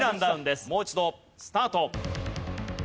もう一度スタート。